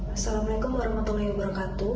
assalamualaikum warahmatullahi wabarakatuh